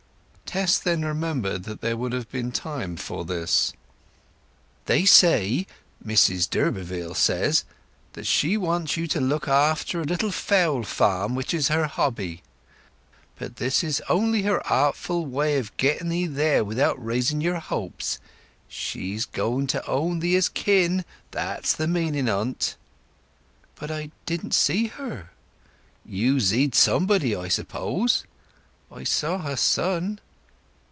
Tess then remembered that there would have been time for this. "They say—Mrs d'Urberville says—that she wants you to look after a little fowl farm which is her hobby. But this is only her artful way of getting 'ee there without raising your hopes. She's going to own 'ee as kin—that's the meaning o't." "But I didn't see her." "You zid somebody, I suppose?" "I saw her son."